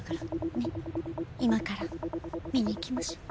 ねっ今から見に行きましょう。